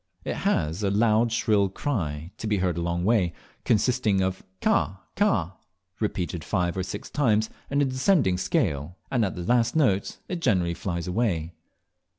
It has a loud shrill cry, to be heard a long way, consisting of "Cah, cah," repeated five or six times in a descending scale, and at the last note it generally flies away.